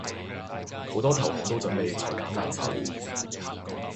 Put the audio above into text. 好多投行都準備裁減人手